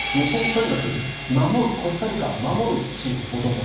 とにかく守るコスタリカは守るチーム、元々。